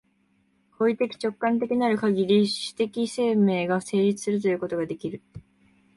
行為的直観的なるかぎり、種的生命が成立するということができる。